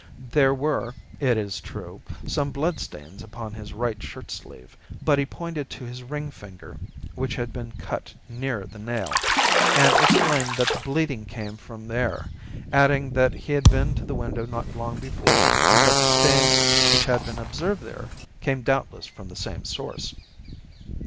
There were, it is true, some blood stains upon his right shirt sleeve, but he pointed to his ring finger, which had been cut near the nail, and explained that the bleeding came from there, adding that he had been to the window not long before, and that the stains which had been observed there came doubtless from the same source.